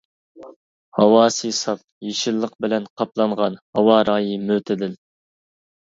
ھاۋاسى ساپ، يېشىللىق بىلەن قاپلانغان، ھاۋا رايى مۆتىدىل.